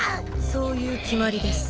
そういう決まりです。